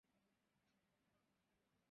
না হয় একবার পরীক্ষা করে দেখো।